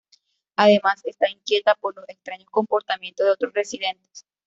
Además, está inquieta por los extraños comportamientos de otros residentes.